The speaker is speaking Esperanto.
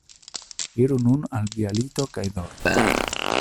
Iru nun al via lito kaj dormu.